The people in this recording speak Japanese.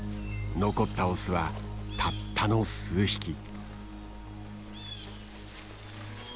残ったオスはたったの数匹。